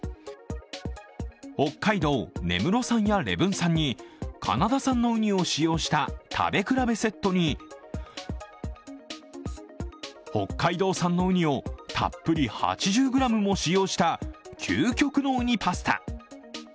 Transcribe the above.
北海道・根室産や礼文産にカナダ産のウニを使用した食べ比べセットに北海道産のウニをたっぷり８０ｇも使用した究極の雲丹パスタ。